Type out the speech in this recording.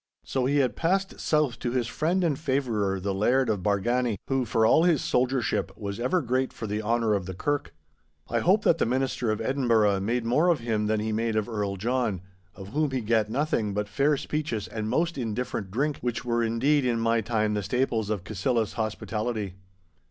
So he had passed south to his friend and favourer the Laird of Bargany, who for all his soldiership was ever great for the honour of the Kirk. I hope that the Minister of Edinburgh made more of him than he made of Earl John, of whom he gat nothing but fair speeches and most indifferent drink, which were indeed in my time the staples of Cassillis hospitality.